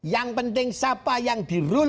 yang penting siapa yang di rule